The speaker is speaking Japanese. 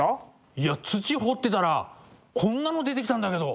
いや土掘ってたらこんなの出てきたんだけど。